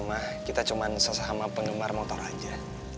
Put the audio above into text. mah kita cuma sesama penggemar motor aja